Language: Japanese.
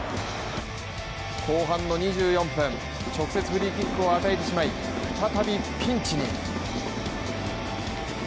後半の２４分、直接フリーキックを与えてしまい、再びピンチに。